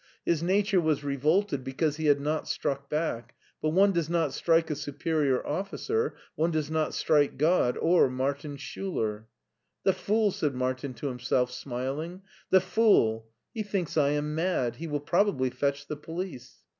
His nature was revolted because he had not struck back, but one does not strike a superior officer, one does not strike God or Martin Schuler. " The fool !" said Martin to himself smiling, " the fool! He thinks I am mad. He will probably fetch the police."